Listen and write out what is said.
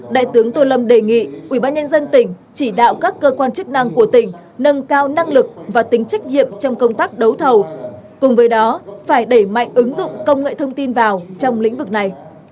đại tướng tô lâm đề nghị ubnd tỉnh chỉ đạo các cơ quan chức năng của tỉnh nâng cao năng lực và tính trách nhiệm trong công tác đấu thầu cùng với đó phải đẩy mạnh ứng dụng công nghệ thông tin vào trong lĩnh vực này